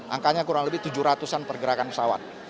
angkanya kurang lebih tujuh ratus an pergerakan pesawat